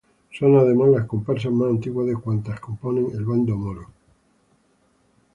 Son además, la comparsa más antigua de cuantas componen el bando moro.